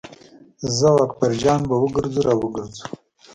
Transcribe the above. زه او اکبر جان به وګرځو را وګرځو.